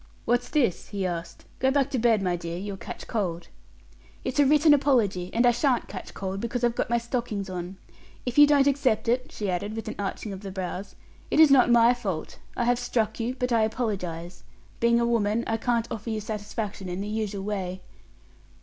"What's this?" he asked. "Go back to bed, my dear; you'll catch cold." "It's a written apology; and I sha'n't catch cold, because I've got my stockings on. If you don't accept it," she added, with an arching of the brows, "it is not my fault. I have struck you, but I apologize. Being a woman, I can't offer you satisfaction in the usual way."